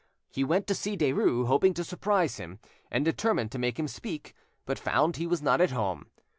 He went to see Derues, hoping to surprise him, and determined to make him speak, but found he was not at home.